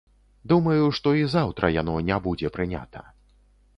Думаю, што і заўтра яно не будзе прынята.